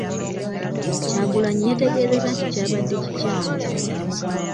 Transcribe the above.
Kyagulanyi yategeezezza nti kyabadde kikyamu .